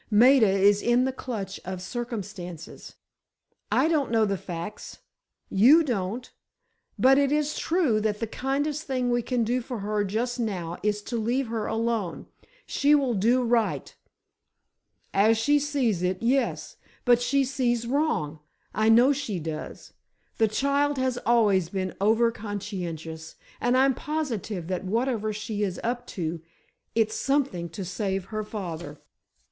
Maida is in the clutch of circumstances. I don't know the facts, you don't; but it is true that the kindest thing we can do for her just now is to leave her alone. She will do right——" "As she sees it, yes! But she sees wrong, I know she does! The child has always been overconscientious—and I'm positive that whatever she is up to, it's something to save her father!"